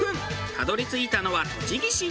たどり着いたのは栃木市。